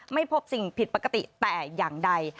ไม่พบสิ่งผิดปกติแต่อย่างใด